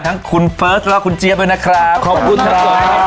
ทั้งคุณเฟิร์สแล้วคุณเจี๊ยบด้วยนะครับขอบคุณครับขอบคุณครับ